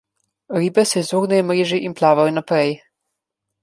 Ribe se izognejo mreži in plavajo naprej.